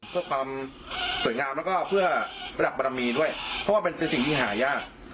เพื่อความสวยงามแล้วก็เพื่อระดับบรมีด้วยเพราะว่ามันเป็นสิ่งที่หายาก